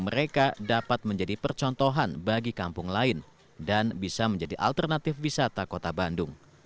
mereka dapat menjadi percontohan bagi kampung lain dan bisa menjadi alternatif wisata kota bandung